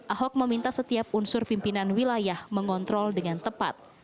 ahok meminta setiap unsur pimpinan wilayah mengontrol dengan tepat